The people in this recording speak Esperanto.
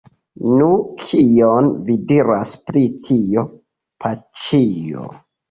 Nu! kion vi diras pri tio, paĉjo?